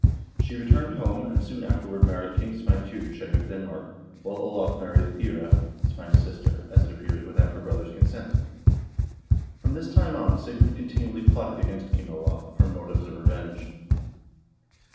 She returned home, and soon afterward married King Svein Tjugeskjeg of Denmark, while Olav married Thyre, Svein's sister, as it appears, without her brother's consent. From this time on Sigrid continually plotted against King Olav, from motives of revenge.